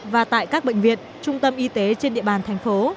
và tại các bệnh viện trung tâm y tế trên địa bàn thành phố